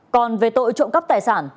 còn về tội trộm cắp tài sản